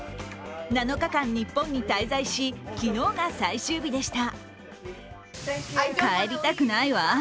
７日間日本に滞在し、昨日が最終日でした。